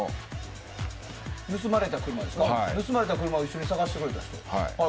盗まれた車を一緒に捜してくれた人。